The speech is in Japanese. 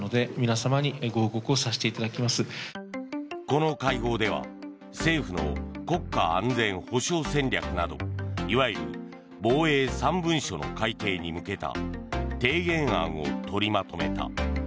この会合では政府の国家安全保障戦略などいわゆる防衛３文書の改定に向けた提言案を取りまとめた。